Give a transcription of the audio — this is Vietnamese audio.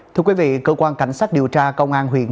thưa quý vị cơ quan cảnh sát điều tra công an huyện tân hưng